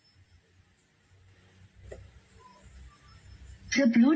มันเป็นใครมันเป็นใคร